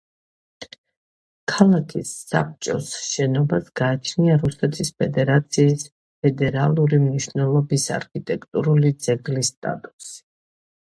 ქალაქის საბჭოს შენობას გააჩნია რუსეთის ფედერაციის ფედერალური მნიშვნელობის არქიტექტურული ძეგლის სტატუსი.